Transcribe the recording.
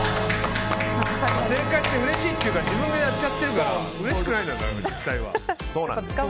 正解してうれしいというか自分がやっちゃってるからうれしくないんだよ。